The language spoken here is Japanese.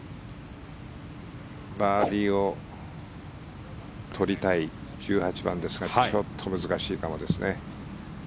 バーディーを取りたい１８番ですがちょっと難しいかもですね。